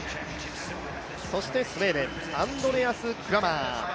そしてスウェーデン、アンドレアス・クラマー。